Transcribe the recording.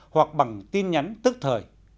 hoặc bằng tin nhắn tức thời